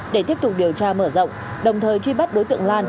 để tiếp tục điều tra mở rộng đồng thời truy bắt đối tượng lan